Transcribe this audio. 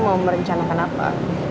mau merencanakan apa